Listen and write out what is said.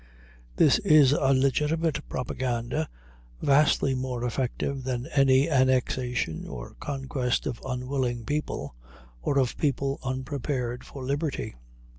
This is a legitimate propaganda vastly more effective than any annexation or conquest of unwilling people, or of people unprepared for liberty.